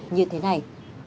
như thế này